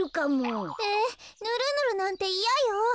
えぬるぬるなんていやよ！